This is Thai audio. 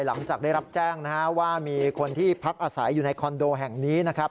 หลังจากได้รับแจ้งนะฮะว่ามีคนที่พักอาศัยอยู่ในคอนโดแห่งนี้นะครับ